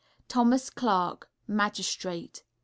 THOMAS CLARK, Magistrate.